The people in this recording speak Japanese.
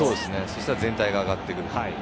そしたら全体が上がってくると思う。